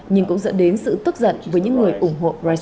nhưng cũng dẫn đến sự tức giận với những người ủng hộ brexit